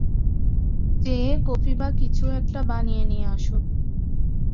যেয়ে কফি বা কিছু একটা বানিয়ে নিয়ে আস।